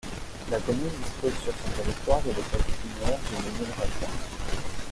La commune dispose sur son territoire de l'école primaire du Mesnil-Racoin.